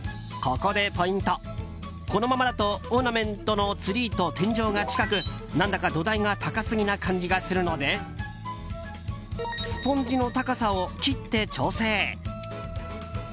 このままだと、オーナメントのツリーと天井が近く何だか土台が高すぎな感じがするのでスポンジの高さを切って調整。